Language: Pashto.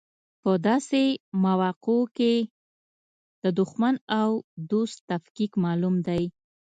په داسې مواقعو کې د دوښمن او دوست تفکیک معلوم دی.